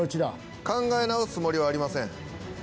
考え直すつもりはありません。